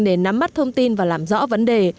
để nắm mắt thông tin và làm rõ vấn đề